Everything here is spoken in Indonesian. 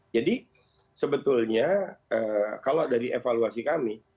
jadi sebetulnya kalau dari evaluasi kami